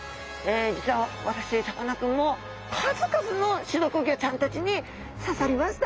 実は私さかなクンも数々の刺毒魚ちゃんたちに刺されました。